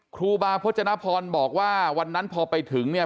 ครูบาพจนพรบอกว่าวันนั้นพอไปถึงเนี่ย